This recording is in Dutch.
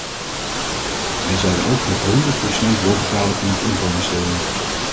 Wij zouden ook het honderd procent doorbetalen van het inkomen steunen.